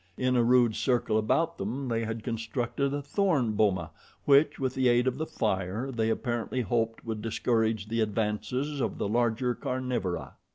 In a rude circle about them they had constructed a thorn boma which, with the aid of the fire, they apparently hoped would discourage the advances of the larger carnivora.